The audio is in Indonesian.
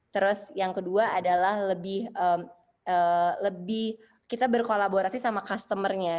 terus yang kedua adalah lebih kita berkolaborasi sama customer nya